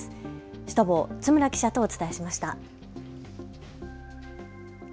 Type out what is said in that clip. シュトボー、津村記者とお伝えしました。